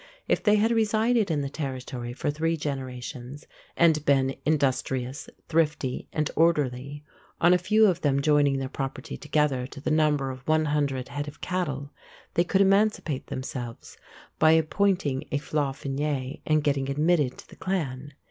If they had resided in the territory for three generations, and been industrious, thrifty, and orderly, on a few of them joining their property together to the number of one hundred head of cattle, they could emancipate themselves by appointing a flaithfine and getting admitted to the clan.